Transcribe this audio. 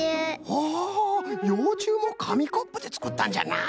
ほほうようちゅうもかみコップでつくったんじゃな。